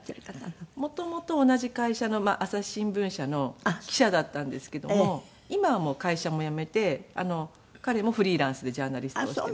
元々同じ会社の朝日新聞社の記者だったんですけども今はもう会社も辞めて彼もフリーランスでジャーナリストをしています。